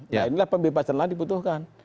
nah inilah pembebasan lahan dibutuhkan